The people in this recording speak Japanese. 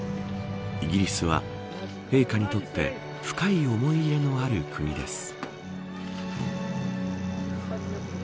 イギリスは、陛下にとって深い思い入れのある国です。